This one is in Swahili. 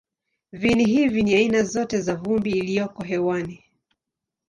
Viini hivi ni aina zote za vumbi iliyoko hewani.